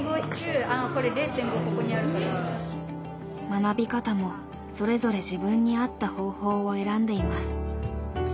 学び方もそれぞれ自分に合った方法を選んでいます。